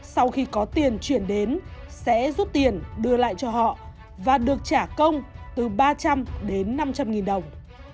sau khi có tiền chuyển đến sẽ rút tiền đưa lại cho họ và được trả công từ ba trăm linh đến năm trăm linh nghìn đồng